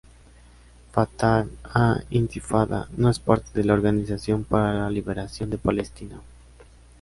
Fatah al-Intifada no es parte de la Organización para la Liberación de Palestina.